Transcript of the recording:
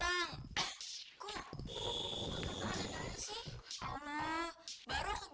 ayo kak lebih parah kak